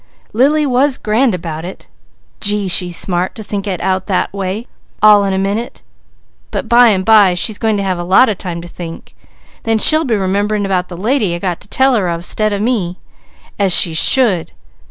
Lily was grand about it. Gee! she's smart to think it out that way all in a minute. But by and by she's going to have a lot of time to think. Then she'll be remembering about the lady I got to tell her of 'stead of me, as she _should!